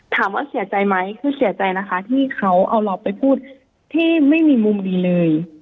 ถามว่าเสียใจไหมคือเสียใจนะคะที่เขาเอาเราไปพูดที่ไม่มีมุมดีเลย